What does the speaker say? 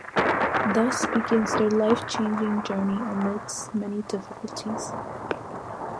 Thus begins their life changing journey amidst many difficulties.